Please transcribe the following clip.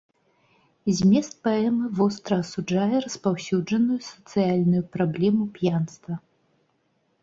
Змест паэмы востра асуджае распаўсюджаную сацыяльную праблему п'янства.